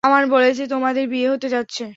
আমান বলেছে তোমাদের বিয়ে হতে যাচ্ছে।